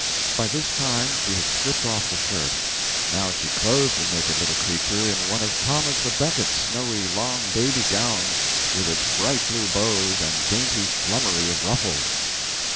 '" By this time she had stripped off the shirt. Now she clothed the naked little creature in one of Thomas à Becket's snowy long baby gowns, with its bright blue bows and dainty flummery of ruffles.